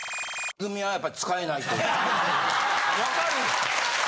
分かる。